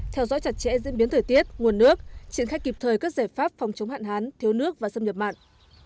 theo dõi chặt chẽ diễn biến thời tiết nguồn nước triển khai kịp thời các giải pháp phòng chống hạn hán thiếu nước và xâm nhập mạng